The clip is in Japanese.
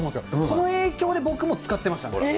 その影響で僕も使ってましたね。